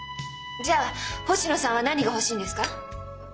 じゃあ星野さんは何が欲しいんですか？